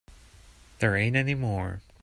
There ain't any more.